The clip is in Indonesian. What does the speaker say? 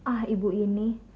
ah ibu ini